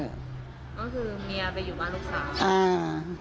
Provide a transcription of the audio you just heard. ก็คือเมียไปอยู่บ้านลูกสาวอ่า